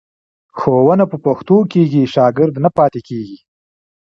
ښوونه په پښتو کېږي، شاګرد نه پاتې کېږي.